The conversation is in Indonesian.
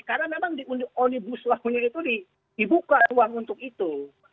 karena memang di onibus lagunya itu dibuka uang untuk itu